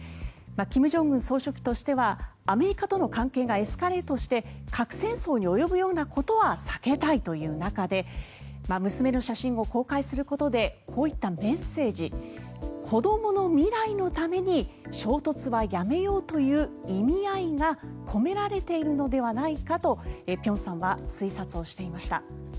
金正恩総書記としてはアメリカとの関係がエスカレートして核戦争に及ぶことは避けたいという中で娘の写真を公開することでこういったメッセージ子どもの未来のために衝突はやめようという意味合いが込められているのではないかと辺さんは推察をしていました。